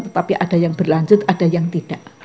tetapi ada yang berlanjut ada yang tidak